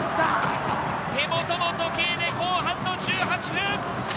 手元の時計で後半の１８分！